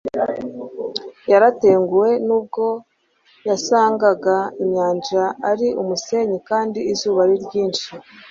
Yaratenguwe nubwo yasangaga inyanja ari umusenyi kandi izuba ari ryinshi.